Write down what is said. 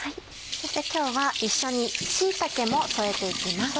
そして今日は一緒に椎茸も添えて行きます。